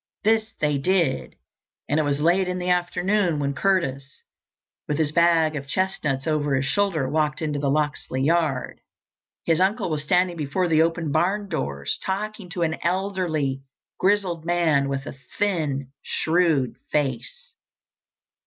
This they did, and it was late in the afternoon when Curtis, with his bag of chestnuts over his shoulder, walked into the Locksley yard. His uncle was standing before the open barn doors, talking to an elderly, grizzled man with a thin, shrewd face.